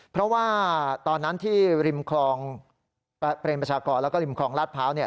เพราะว่าตอนนั้นที่ริมคลองเปรมประชากรแล้วก็ริมคลองลาดพร้าวเนี่ย